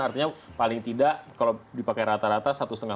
artinya paling tidak kalau dipakai rata rata